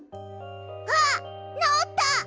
あっなおった！